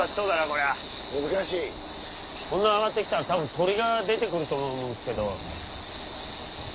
こんな上がって来たらたぶん鳥が出て来ると思うんですけど。